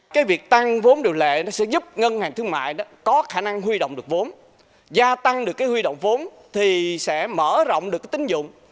cái việc tăng vốn điều lệ sẽ giúp ngân hàng thương mại có khả năng huy động được vốn gia tăng được huy động vốn thì sẽ mở rộng được tín dụng